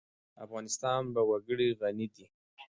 افغانستان په وګړي غني دی.